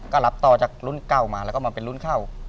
ก็รับต่อจากรุ่นเก่ามาแล้วก็มาเป็นรุ่นเข้า